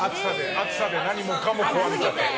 暑さで何もかも壊れちゃった。